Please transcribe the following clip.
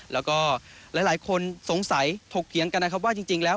แล้วก็หลายคนสงสัยถกเถียงกันนะครับว่าจริงแล้ว